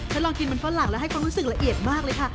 ฉันลองกินมันฝรั่งแล้วให้ความรู้สึกละเอียดมากเลยค่ะ